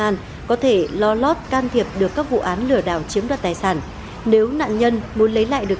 an có thể lo lót can thiệp được các vụ án lừa đảo chiếm đoạt tài sản nếu nạn nhân muốn lấy lại được